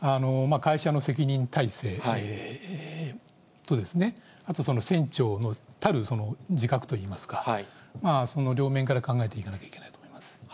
会社の責任体制と、あと船長たる自覚といいますか、その両面から考えていかなきゃいけないと思います。